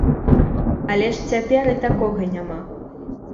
Але ж цяпер і такога няма.